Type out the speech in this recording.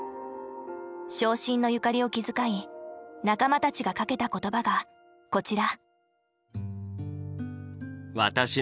傷心の由嘉里を気遣い仲間たちがかけた言葉がこちら。